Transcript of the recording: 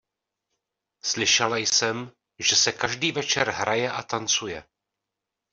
Slyšela jsem, že se každý večer hraje a tancuje.